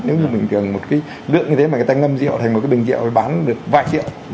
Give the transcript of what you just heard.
nếu như bình thường một cái lượng như thế mà người ta ngâm rượu thành một cái bình rượu rồi bán được vài triệu